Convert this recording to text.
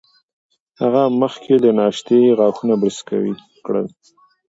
هغه مخکې له ناشتې غاښونه برس کړل.